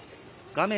画面